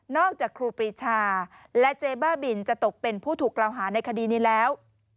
จากครูปรีชาและเจ๊บ้าบินจะตกเป็นผู้ถูกกล่าวหาในคดีนี้แล้ว